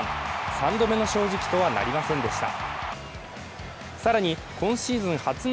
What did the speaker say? ３度目の正直とはなりませんでした。